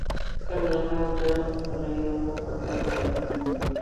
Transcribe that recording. کندهار د مېړنو وطن دی